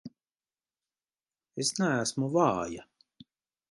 Es neesmu vāja!